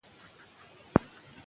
موږ په خپلو خلکو باور لرو.